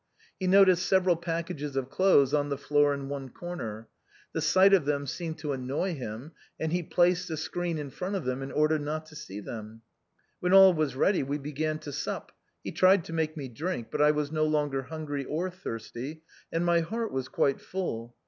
He noticed several packages of clothes on the floor in one corner. The sight of them seemed to annoy him, and he placed the screen in front of them in order not to see them. When all was ready we began to sup, he tried to make me drink, but I was no longer hungry or thirsty, and my heart was quite full.